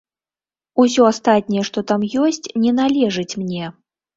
Усё астатняе, што там ёсць, не належыць мне.